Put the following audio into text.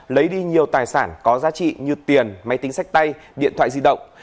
lấy đi nhiều tài sản có giá trị như tiền máy tính sách tay điện thoại di động